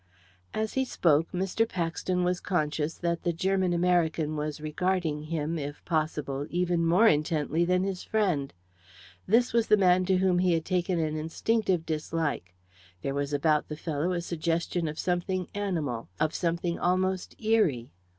As he spoke Mr. Paxton was conscious that the German American was regarding him, if possible, even more intently than his friend. This was the man to whom he had taken an instinctive dislike. There was about the fellow a suggestion of something animal of something almost eerie.